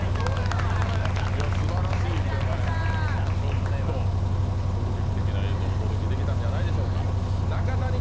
すばらしい腕前、衝撃的な映像をお届けできたんじゃないでしょうか。